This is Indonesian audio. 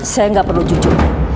saya gak perlu cucu